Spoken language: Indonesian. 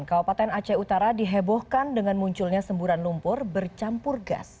kabupaten aceh utara dihebohkan dengan munculnya semburan lumpur bercampur gas